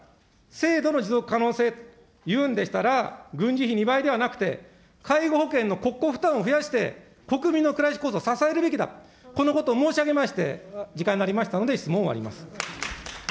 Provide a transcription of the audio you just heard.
制度の持続可能性と言うんでしたら、軍事費２倍ではなくて、介護保険の国庫負担を増やして、国民の暮らしこそ支えるべきだ、このことを申し上げまして、時間になりましたので、質問を終わります。